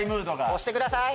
押してください。